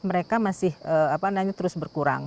mereka masih terus berkurang